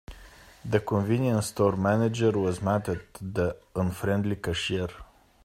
The convenience store manager was mad at the unfriendly cashier.